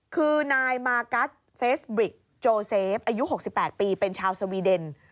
คือนายมากัสเฟสบริกโจเซฟอายุ๖๘ปีเป็นชาวสวีเดน